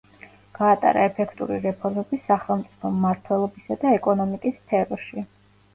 გაატარა ეფექტური რეფორმები სახელმწიფო მმართველობისა და ეკონომიკის სფეროში.